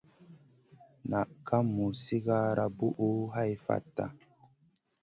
Naʼ ka muz sigara buʼu hai fata.